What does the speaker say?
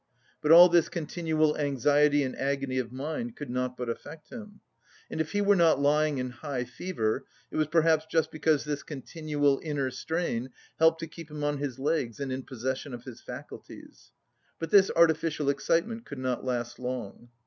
But all this continual anxiety and agony of mind could not but affect him. And if he were not lying in high fever it was perhaps just because this continual inner strain helped to keep him on his legs and in possession of his faculties. But this artificial excitement could not last long.